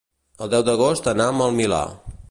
El deu d'agost anam al Milà.